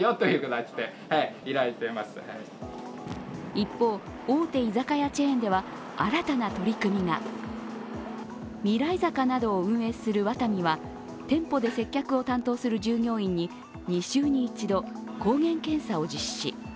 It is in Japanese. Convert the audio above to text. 一方、大手居酒屋チェーンでは新たな取り組みがミライザカなどを運営するワタミは店舗で接客を担当する従業員に２週に一度、抗原検査を実施。